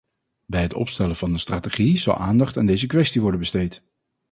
Bij het opstellen van de strategie zal aandacht aan deze kwestie worden besteed.